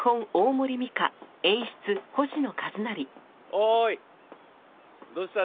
おーいどうした？